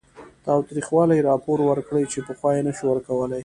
تاوتریخوالي راپور ورکړي چې پخوا یې نه شو ورکولی